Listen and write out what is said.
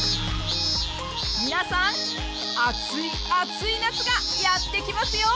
皆さん暑い暑い夏がやってきますよ。